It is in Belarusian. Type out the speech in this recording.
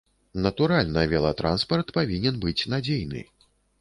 Натуральна, велатранспарт павінен быць надзейны.